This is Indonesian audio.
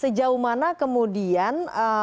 sejauh mana kemudian